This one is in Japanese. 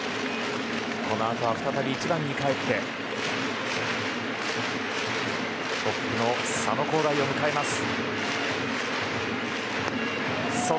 このあとは再び１番にかえってトップの佐野皓大を迎えます。